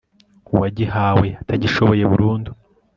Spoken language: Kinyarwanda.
uwagihawe atagishoboye burundu